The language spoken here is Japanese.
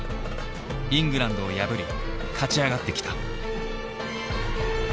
イングランドを破り勝ち上がってきた。